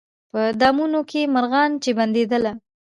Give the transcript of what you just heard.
په دامونو کي مرغان چي بندېدله